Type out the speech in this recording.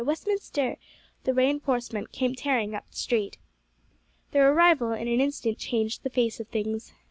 Westminster!" the reinforcement came tearing up the street. Their arrival in an instant changed the face of things.